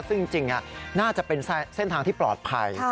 ซึ่งจริงน่าจะเป็นเส้นทางที่ปลอดภัย